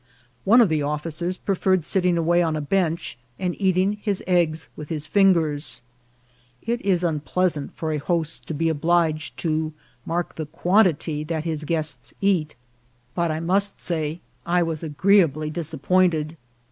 One of the officers preferred sitting away on a bench, and eating his eggs with his fingers. It is un pleasant for a host to be obliged to mark the quantity that his guests eat, but I must say I was agreeably dis 80 INCIDENTS OP TRAVEL. appointed.